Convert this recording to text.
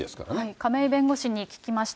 亀井弁護士に聞きました。